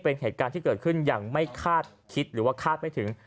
เป็นเหตุการณ์ที่เกิดขึ้นอย่างไม่คาดคิดหรือว่าคาดไม่ถึง